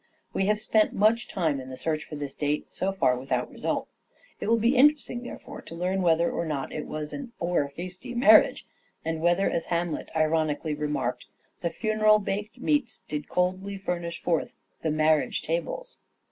We have spent much time in the search for this date ; so far without result. It will be interesting, therefore, to learn whether or not it was an " o'er hasty marriage," and whether as Hamlet ironically remarked, '' The funeral baked meats Did coldly furnish forth the marriage tables."